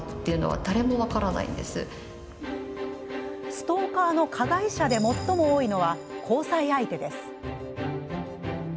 ストーカーの加害者で最も多いのは交際相手です。